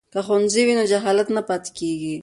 که ښوونځی وي نو جهالت نه پاتیږي.